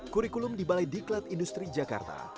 kurikulum di balai diklat industri jakarta